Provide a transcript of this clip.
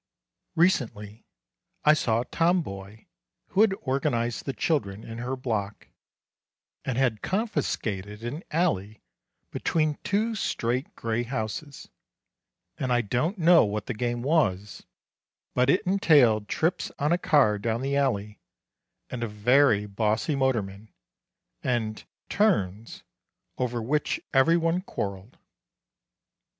Recently I saw a tomboy who had organized the children in her block, and had confiscated an alley between two straight gray houses, and I don't know what the game was but it entailed trips on a car down the alley and a very bossy motorman, and "turns," over which everyone quarreled.